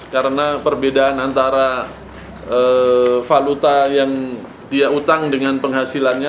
karena perbedaan antara valuta yang dia utang dengan penghasilannya